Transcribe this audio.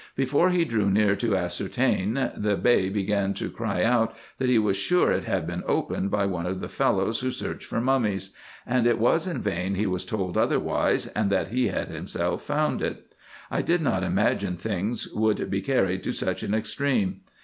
Before he drew near to ascertain, the Bey began to cry out that he was sure it had been opened by one of the fellows who search for mummies ; and it was in vain he was told otherwise, and that he had himself found it. I did not imagine things would be carried to such an extreme.